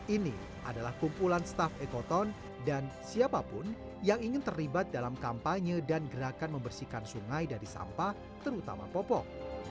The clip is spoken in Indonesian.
ini adalah kumpulan staff ekoton dan siapapun yang ingin terlibat dalam kampanye dan gerakan membersihkan sungai dari sampah terutama popok